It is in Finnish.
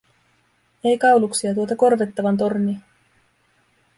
Ei kauluksia, tuota korvettavan tornia.